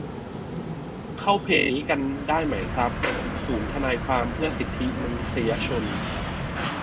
เข้าเพจนี้กันได้ไหมครับ ศูนย์ทนายความเพื่อสิทธิมนุษยชน